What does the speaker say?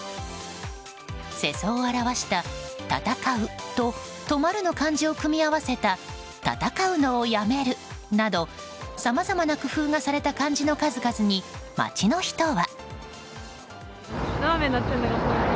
世相を表した、「戦う」と「止まる」の漢字を組み合わせた「たたかうのをやめる」などさまざまな工夫がされた漢字の数々に街の人は。